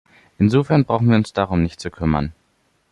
Insofern brauchen wir uns darum nicht zu kümmern.